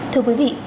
thưa quý vị